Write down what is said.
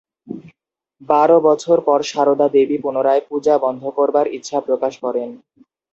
বারো বছর পর সারদা দেবী পুনরায় পূজা বন্ধ করবার ইচ্ছা প্রকাশ করেন।